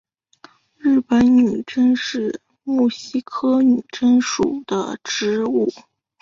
日本女贞是木犀科女贞属的植物。